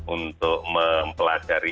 untuk memperoleh vaksin dari astrazeneca